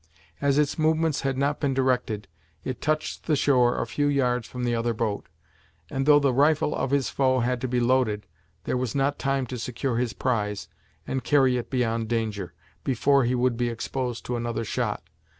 As its movements had not been directed, it touched the shore a few yards from the other boat; and though the rifle of his foe had to be loaded, there was not time to secure his prize, and carry it beyond danger, before he would be exposed to another shot.